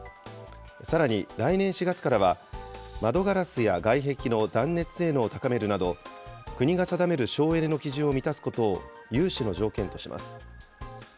さらに来年４月からは、窓ガラスや外壁の断熱性能を高めるなど、国が定める省エネの基準を満たすことを融資の条件とします。